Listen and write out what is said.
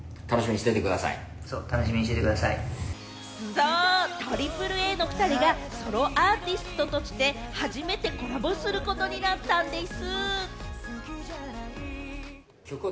そう、ＡＡＡの２人がソロアーティストとして初めてコラボすることになったんでぃす！